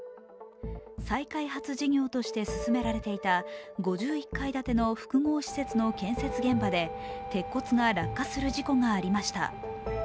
再開発事業として進められていた５１階建ての複合施設の建設現場で鉄骨が落下する事故がありました。